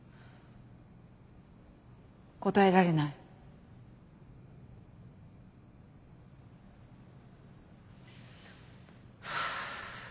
答えられない？ハァ。